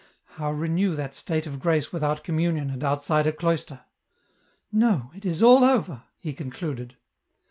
313 How renew that state of grace without communion and outside a cloister ?" No ; it is all over," he concluded.